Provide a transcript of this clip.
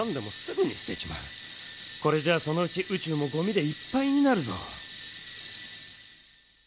これじゃあそのうちうちゅうもゴミでいっぱいになるぞ。